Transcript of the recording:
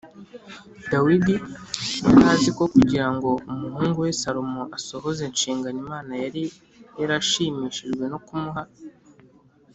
dawidi yari azi ko kugira ngo umuhungu we salomo asohoze inshingano imana yari yarashimishijwe no kumuha,